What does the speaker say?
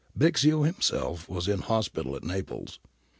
Bixio himself was in hospital at Naples.